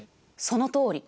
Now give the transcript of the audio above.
そのとおり。